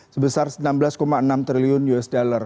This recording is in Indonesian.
sebesar enam belas enam triliun usd